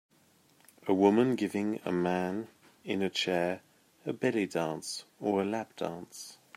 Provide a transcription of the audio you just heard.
A woman giving a man in a chair a belly dance or a lap dance.